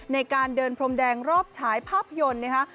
ในการเดินพรมแดงรอบฉายภาพยนตร์นะคะ